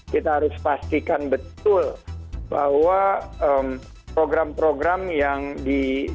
kita harus pastikan betul bahwa program program yang di